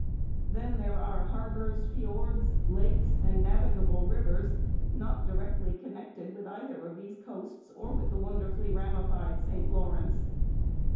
Then, there are harbours, fiords, lakes, and navigable rivers not directly connected with either of these coasts or with the wonderfully ramified St Lawrence.